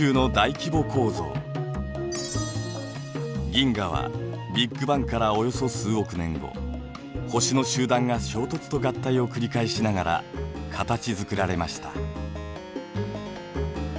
銀河はビッグバンからおよそ数億年後星の集団が衝突と合体を繰り返しながら形づくられました。